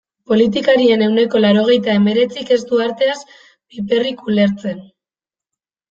Politikarien ehuneko laurogeita hemeretzik ez du arteaz piperrik ulertzen.